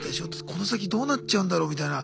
この先どうなっちゃうんだろうみたいな。